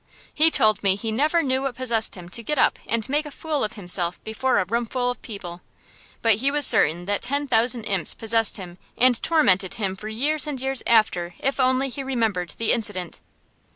He told me he never knew what possessed him to get up and make a fool of himself before a roomful of people; but he was certain that ten thousand imps possessed him and tormented him for years and years after if only he remembered the incident.